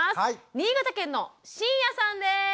新潟県の椎谷さんです。